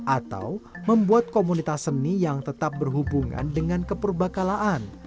atau membuat komunitas seni yang tetap berhubungan dengan keperbakalaan